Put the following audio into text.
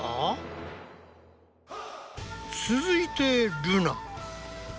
続いてルナ。